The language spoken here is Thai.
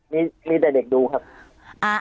มีแต่เด็กดูครับ